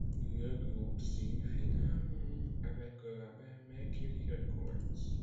Le groupe signe finalement avec le label Mercury Records.